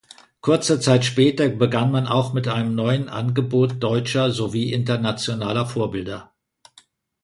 Kurze Zeit später begann man auch mit einem neuen Angebot deutscher sowie internationaler Vorbilder.